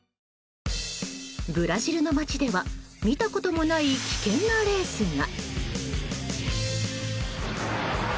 ブラジルの街では見たこともない危険なレースが。